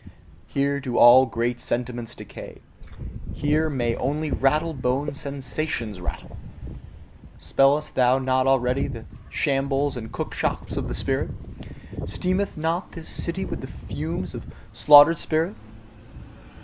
Here do all great sentiments decay: here may only rattle boned sensations rattle! Smellest thou not already the shambles and cookshops of the spirit? Steameth not this city with the fumes of slaughtered spirit?